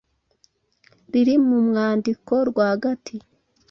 riri mu mwandiko rwagati.